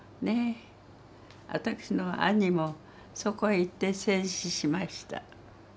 私の兄もそこへ行って戦死しました。